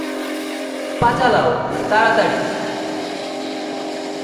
পা চালাও তারাতাড়ি!